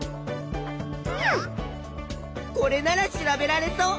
これなら調べられそう。